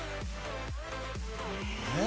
えっ？